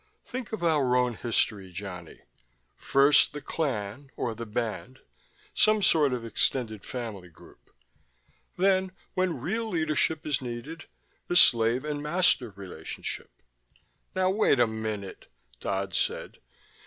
Think of our own history, Johnny: first the clan, or the band some sort of extended family group. Then, when real leadership is needed, the slave and master relationship." "Now, wait a minute," Dodd said.